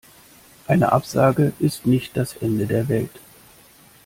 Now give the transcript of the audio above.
Eine Absage ist nicht das Ende der Welt.